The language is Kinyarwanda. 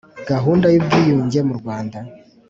gahunda y'ubwiyunge mu rwanda